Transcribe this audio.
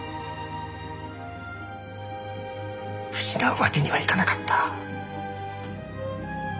失うわけにはいかなかった。